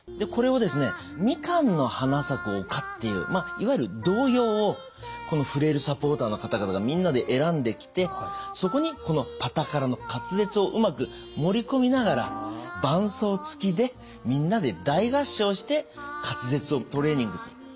これをですね「みかんの花咲く丘」っていういわゆる童謡をこのフレイルサポーターの方々がみんなで選んできてそこにこの「パタカラ」の滑舌をうまく盛り込みながら伴奏つきでみんなで大合唱して滑舌をトレーニングする。